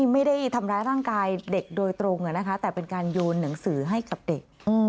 ไม่ได้ทำร้ายร่างกายเด็กโดยตรงแต่เป็นการโยนหนังสือให้กับเด็ก